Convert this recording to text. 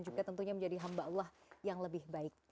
juga tentunya menjadi hamba allah yang lebih baik